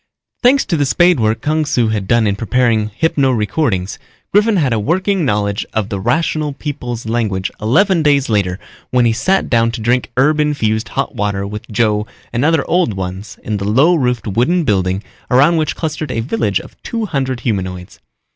Thanks to the spade work Kung Su had done in preparing hypno recordings, Griffin had a working knowledge of the Rational People's language eleven days later when he sat down to drink herb infused hot water with Joe and other Old Ones in the low roofed wooden building around which clustered a village of two hundred humanoids.